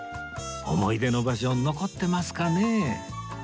思い出の場所残ってますかね？